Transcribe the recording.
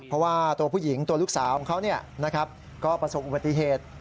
เพราะว่าตัวผู้หญิงตัวลูกสาวของเขาก็ประสบอุบัติเหตุ